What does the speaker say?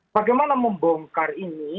bagaimana membongkar ini